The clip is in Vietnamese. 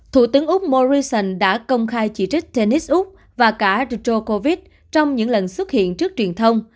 thủ tướng úc morrison đã công khai chỉ trích tennis úc và cả real covid trong những lần xuất hiện trước truyền thông